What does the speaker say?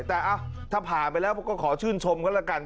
แต่ถ้าผ่านไปแล้วก็ขอชื่นชมกันแล้วกัน